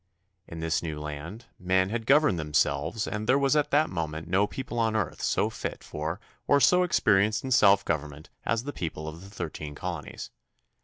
In this new land men had governed themselves and there was at that moment no people on earth so fit for or so experienced in self government as the people of the Thirteen Colonies.